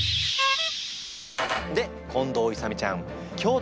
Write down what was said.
で近藤勇ちゃん